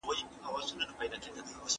کاربوهایډریټ کم مصرف ستړیا رامنځته کوي.